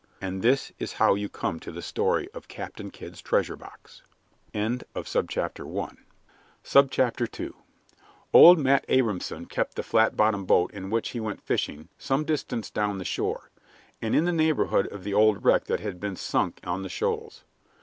And this is how you come to the story of Captain Kidd's treasure box. II Old Matt Abrahamson kept the flat bottomed boat in which he went fishing some distance down the shore, and in the neighborhood of the old wreck that had been sunk on the Shoals.